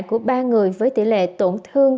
của ba người với tỷ lệ tổn thương